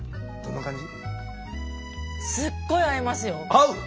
合う？